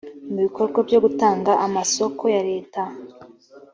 mu bikorwa byo gutanga amasoko ya leta